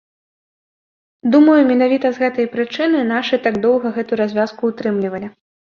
Думаю, менавіта з гэтай прычыны нашы так доўга гэту развязку ўтрымлівалі.